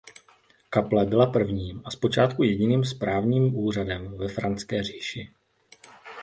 Kaple byla prvním a zpočátku jediným správním úřadem ve Franské říši.